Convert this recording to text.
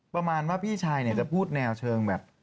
ประมาณว่าพี่ชายจะพูดแนวเชิงแบบ